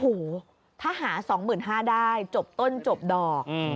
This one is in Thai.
โอ้โหถ้าหา๒๕๐๐ได้จบต้นจบดอก